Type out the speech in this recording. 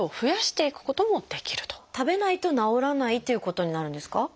食べないと治らないということになるんですか？